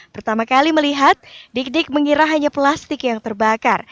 pertama kali melihat dik dik mengira hanya plastik yang terbakar